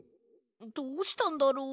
どうしたんだろ？